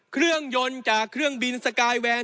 เครื่องยนต์จากเครื่องบินสกายแวน